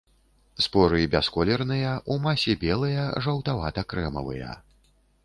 Споры бясколерныя, у масе белыя, жаўтавата-крэмавыя.